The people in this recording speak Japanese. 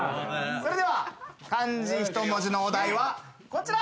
それでは漢字一文字のお題はこちら。